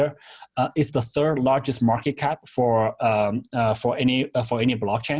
ini adalah keutamaan pasar terbesar untuk blockchain